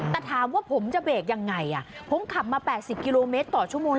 แต่ถามว่าผมจะเบรกยังไงผมขับมา๘๐กิโลเมตรต่อชั่วโมง